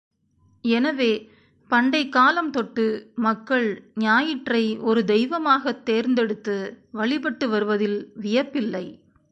எனவே, பண்டைக்காலம் தொட்டு மக்கள் ஞாயிற்றை ஒரு தெய்வமாகத் தேர்ந்தெடுத்து வழிபட்டு வருவதில் வியப்பில்லை.